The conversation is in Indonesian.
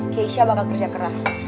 keisha bakal kerja keras